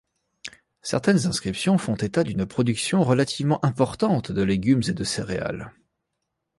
Certaines inscriptions font état d'une production relativement importante de légumes et de céréales.